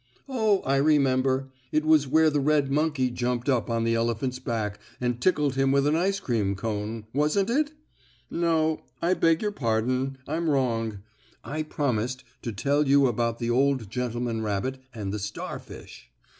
Oh, I remember, it was where the red monkey jumped up on the elephant's back and tickled him with an ice cream cone, wasn't it? No, I beg your pardon, I'm wrong. I promised to tell you about the old gentleman rabbit and the starfish.